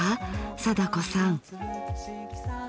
貞子さん。